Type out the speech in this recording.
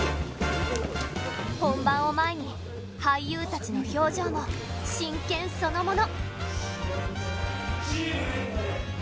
本番を前に俳優たちの表情も真剣そのもの